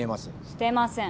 してません。